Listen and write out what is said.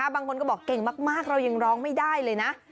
บางคนก็บอกเก่งมากเรายังร้องไม่ได้เลยนะ